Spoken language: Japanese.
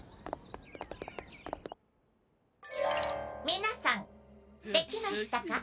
皆さんできましたか？